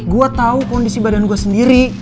gue tahu kondisi badan gue sendiri